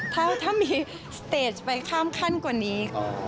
ถ้ามีสเตจไปข้ามขั้นกว่านี้